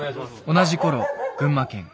同じころ群馬県。